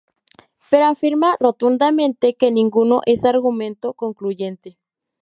Pero afirma rotundamente que ninguno es argumento concluyente.